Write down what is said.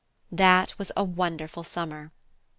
That was a wonderful Summer!